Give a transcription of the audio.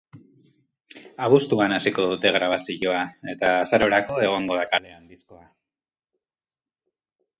Abuztuan hasiko dute grabazioa, eta azarorako egongo da kalean diskoa.